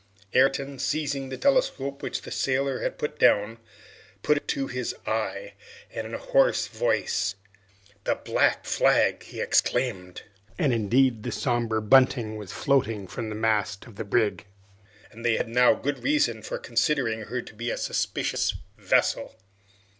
Ayrton seizing the telescope which the sailor had put down, put it to his eye, and in a hoarse voice, "The black flag!" he exclaimed. And indeed the somber bunting was floating from the mast of the brig, and they had now good reason for considering her to be a suspicious vessel!